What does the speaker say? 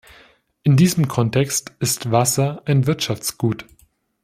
In diesem Kontext ist Wasser ein Wirtschaftsgut.